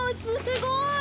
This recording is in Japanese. すごい。